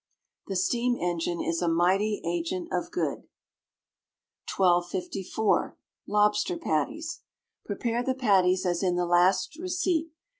[THE STEAM ENGINE IS A MIGHTY AGENT OF GOOD.] 1254. Lobster Patties. Prepare the patties as in the last receipt.